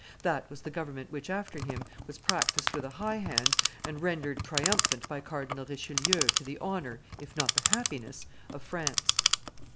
That was the government which, after him, was practised with a high hand and rendered triumphant by Cardinal Richelieu to the honor, if not the happiness, of France.